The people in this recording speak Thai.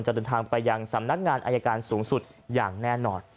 เดินทางไปยังสำนักงานอายการสูงสุดอย่างแน่นอน